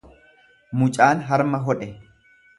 Mucaan harma hodhe